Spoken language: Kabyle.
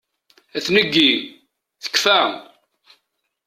A tneggi! Tekfa!